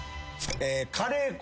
カレー粉。